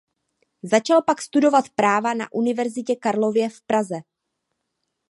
Začal pak studovat práva na Univerzitě Karlově v Praze.